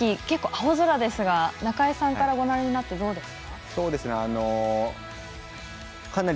結構、青空ですが中井さんからご覧になっていかがですか？